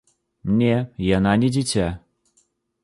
Не, яна не дзіця.